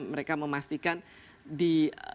mereka memastikan di